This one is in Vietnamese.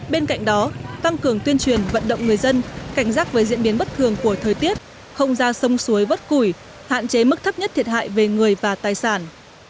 bên cạnh đó tăng cường tuyên truyền vận động người dân cảnh giác với diễn biến bất thường của thời tiết không ra sông suối vất củi hạn chế mức thấp nhất thiệt hại về người và tài sản